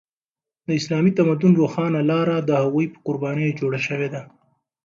د اسلامي تمدن روښانه لاره د هغوی په قربانیو جوړه شوې ده.